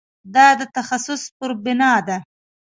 دا د تخصص پر بنا ده.